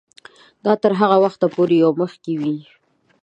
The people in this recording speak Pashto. دا تر هغه وخته یو څه مخکې و.